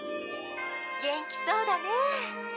「元気そうだねえ」